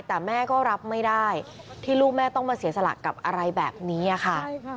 แต่แม่ก็รับไม่ได้ที่ลูกแม่ต้องมาเสียสละกับอะไรแบบนี้ค่ะ